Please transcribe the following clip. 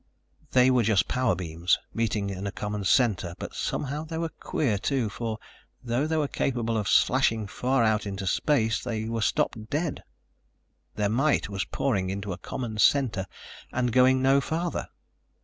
They were just power beams, meeting at a common center, but somehow they were queer, too, for though they were capable of slashing far out into space, they were stopped dead. Their might was pouring into a common center and going no farther.